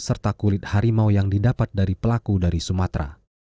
serta kulit harimau yang didapat dari pelaku dari sumatera